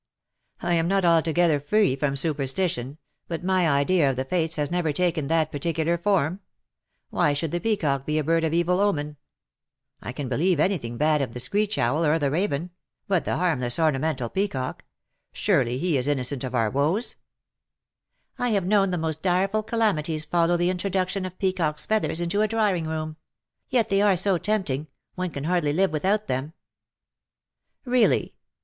" I am not altogether free from superstition, but my idea of the fates has never taken that [par ticular form. Why should the peacock be a bird of evil omen ? I can believe anything bad of the screech owl or the raven — but the harmless orna mental peacock — surely he is innocent of our woes/'' ^' I have known the most direful calamities follow the introduction of peacocks^ feathers into a drawing room — yet they are so tempting, one can hardly live without them/^ " Really